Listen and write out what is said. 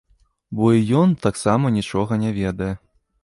Бо і ён таксама нічога не ведае.